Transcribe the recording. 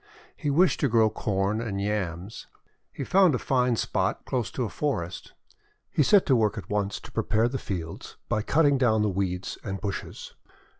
He wished to grow Corn and Yams. He found a fine spot close to a forest. He set to work at once to prepare the field by cutting down the weeds and bushes.